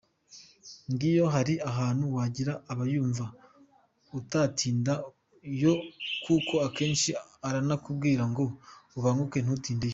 Nkiyo hari ahantu wagiye abayumva utatinda yo kuko akenshi aranakubwira ngo ubanguke ntutinde yo.